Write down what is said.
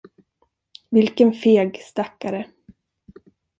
Vilken feg stackare.